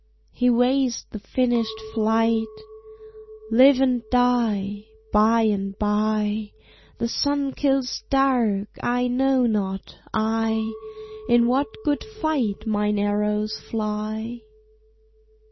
He weighs the finished flight: "Live and die; by and by The sun kills dark; I know not, I, In what good fight mine arrows fly!"